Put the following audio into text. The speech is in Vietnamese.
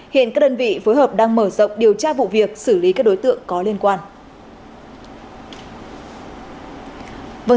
hiện các đơn vị phối hợp đang mở rộng điều tra vụ việc xử lý các đối tượng có liên quan